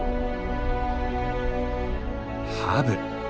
ハブ！